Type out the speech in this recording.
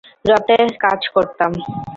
রতে কাজ করতাম।